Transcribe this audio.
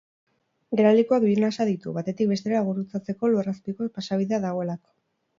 Geralekuak bi nasa ditu, batetik bestera gurutzatzeko lurrazpiko pasabidea dagoela.